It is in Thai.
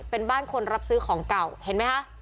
เป็นบ้านคนรับซื้อของเก่าเห็นไหมคะ